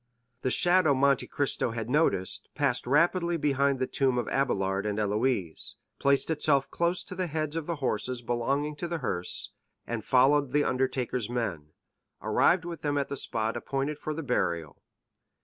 The shadow Monte Cristo had noticed passed rapidly behind the tomb of Abélard and Héloïse, placed itself close to the heads of the horses belonging to the hearse, and following the undertaker's men, arrived with them at the spot appointed for the burial.